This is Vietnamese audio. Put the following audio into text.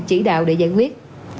chỉ đạo để giải quyết